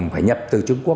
phải nhập từ trung quốc